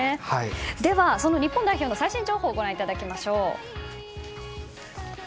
では、その日本代表の最新情報をご覧いただきましょう。